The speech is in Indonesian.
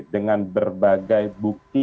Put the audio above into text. dengan berbagai bukti